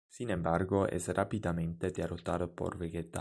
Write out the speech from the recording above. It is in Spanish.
Sin embargo, es rápidamente derrotado por Vegeta.